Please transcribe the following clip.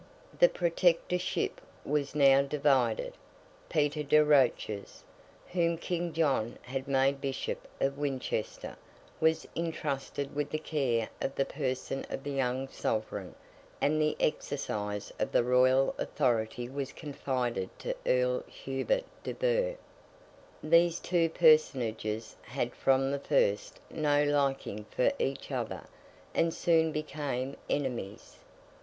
The Protectorship was now divided. Peter de Roches, whom King John had made Bishop of Winchester, was entrusted with the care of the person of the young sovereign; and the exercise of the Royal authority was confided to Earl Hubert de Burgh. These two personages had from the first no liking for each other, and soon became enemies.